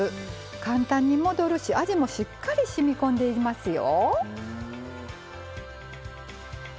簡単に戻るし味もしっかりしみこんでいますよ。